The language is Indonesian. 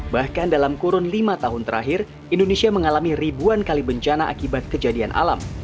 bahkan dalam kurun lima tahun terakhir indonesia mengalami ribuan kali bencana akibat kejadian alam